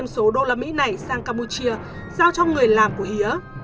minh điều khiển xuồng đô la mỹ này sang campuchia giao cho người làm của hía